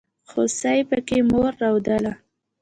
خوسي پکې مور رودله.